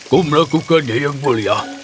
kau melakukannya yang boleh